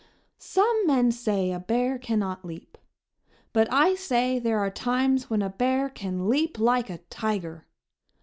Some men say a bear cannot leap; but I say there are times when a bear can leap like a tiger.